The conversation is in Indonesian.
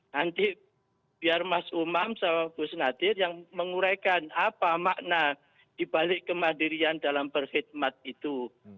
nanti biar mas umam sama bu senadir yang menguraikan apa makna dibalik kemandirian dalam berkhidmat itu